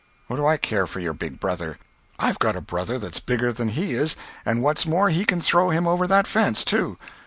"What do I care for your big brother? I've got a brother that's bigger than he is—and what's more, he can throw him over that fence, too."